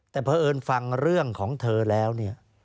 แต่พอเอิญฟังเรื่องของเธอแล้วเนี่ย